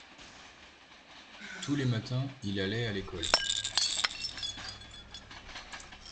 tous les matins il allait à l'école.